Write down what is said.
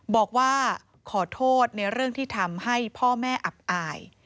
บอกว่าขอโทษในเรื่องที่ทำให้พ่อแม่อับอาย